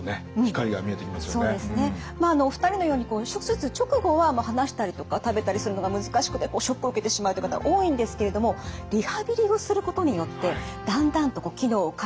お二人のように手術直後は話したりとか食べたりするのが難しくてショックを受けてしまうという方多いんですけれどもリハビリをすることによってだんだんと機能を回復するという方が多いそうなんです。